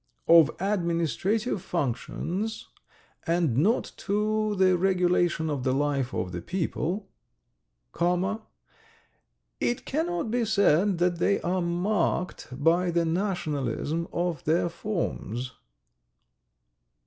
. of administrative functions, and not to the regulation of the life of the people ... comma ... it cannot be said that they are marked by the nationalism of their forms